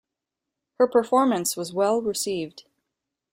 Her performance was well received.